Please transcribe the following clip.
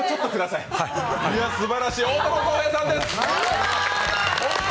いや、すばらしい、大友康平さんです。